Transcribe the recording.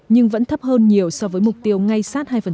nhưng vẫn thấp hơn nhiều so với mục tiêu ngay sát hai mà ecb đề ra